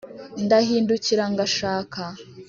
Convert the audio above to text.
Ndahindukira ngashaka